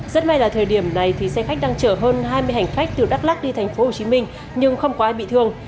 rất may là thời điểm này xe khách đang chở hơn hai mươi hành khách từ đắk lắc đi tp hcm nhưng không có ai bị thương